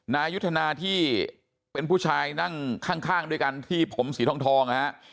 นายุทธนาที่เป็นผู้ชายนั่งข้างด้วยกันที่ผมสีทองนะฮะ